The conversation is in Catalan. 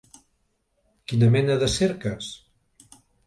Quina mena de cerques?